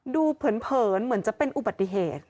เผินเหมือนจะเป็นอุบัติเหตุ